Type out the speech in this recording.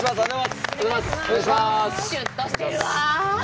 シュッとしてるわ。